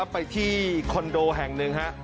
ไปที่คอนโดแห่งหนึ่งฮะ